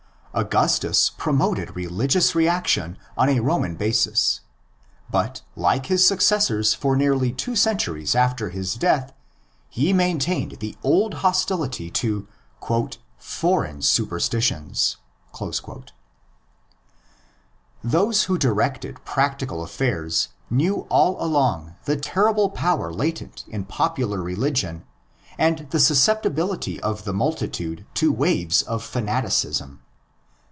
Augustus promoted religious reaction on a Roman basis; but, like his successors for nearly two centuries after his death, he maintained the old hostility to '* foreign superstitions." Those who directed practical affairs knew all along the terrible power latent in popular religion and the susceptibility of the multitude to waves of fanaticism.